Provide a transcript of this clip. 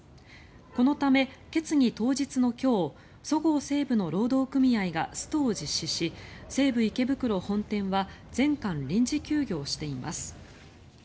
このため、決議当日の今日そごう・西武の労働組合がストを実施し西武池袋本店は全館臨時休業しています。